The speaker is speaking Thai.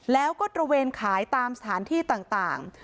แล้วก็ตระเวนขายตามสถานที่ต่าง